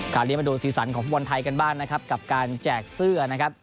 กลับเดี๋ยวมาดูสีสันของทุกคนไทยกันบ้างนะครับกับการแจกเสื้อนะครับ